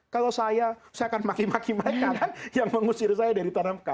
kalau saya saya akan maki maki mereka yang mengusir saya dari tanah mekah